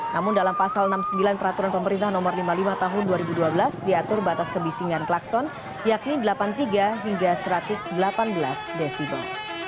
namun dalam pasal enam puluh sembilan peraturan pemerintah nomor lima puluh lima tahun dua ribu dua belas diatur batas kebisingan klakson yakni delapan puluh tiga hingga satu ratus delapan belas desibel